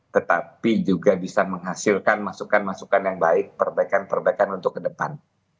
tetapi juga bisa menghasilkan masukan masukan yang baik perbaikan perbaikan untuk ke depan